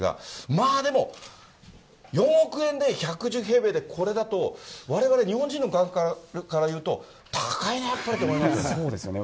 まあでも、４億円で１１９平米でこれだと、われわれ日本人の感覚からいうと、高いな、やっぱりっそうですよね。